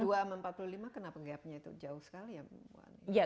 dua dolar sama empat puluh lima dolar kenapa gapnya itu jauh sekali ya